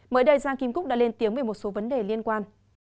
mới đây gia kim cúc đã lên tiếng về một số vấn đề liên quan